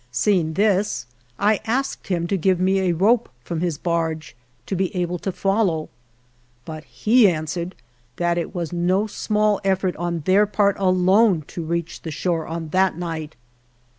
Seeing this, I asked him to give me a rope from his barge to be able to follow, but he answered that it was no small effort on their part alone to reach the shore on that night.